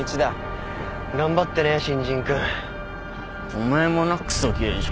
お前もなクソ刑事。